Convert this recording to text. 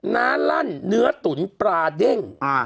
้าลั่นเนื้อตุ๋นปลาเด้ง